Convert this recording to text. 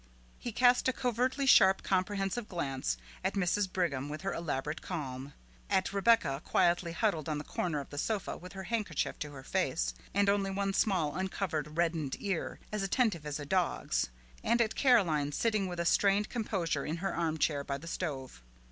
He cast a covertly sharp, comprehensive glance at Mrs. Brigham with her elaborate calm; at Rebecca quietly huddled in the corner of the sofa with her handkerchief to her face and only one small uncovered reddened ear as attentive as a dog's, and at Caroline sitting with a strained composure in her armchair by the stove.